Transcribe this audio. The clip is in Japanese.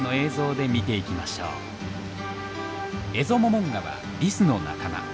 エゾモモンガはリスの仲間。